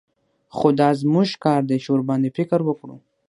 خو دا زموږ کار دى چې ورباندې فکر وکړو.